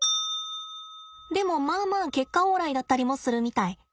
でもまあまあ結果オーライだったりもするみたい。